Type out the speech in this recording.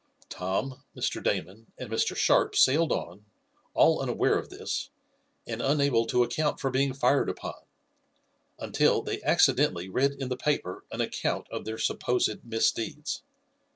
Tom, Mr. Damon and Mr. Sharp sailed on, all unaware of this, and unable to account for being fired upon, until they accidentally read in the paper an account of their supposed misdeeds.